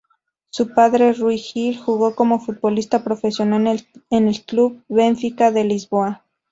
Su padre, Rui Gil, jugó como futbolista profesional en el club Benfica de Lisboa.